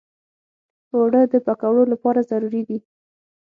اوړه د پکوړو لپاره ضروري دي